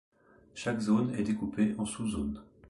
Chaque zone est découpée en sous zones.